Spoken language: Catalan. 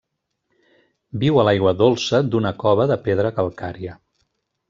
Viu a l'aigua dolça d'una cova de pedra calcària.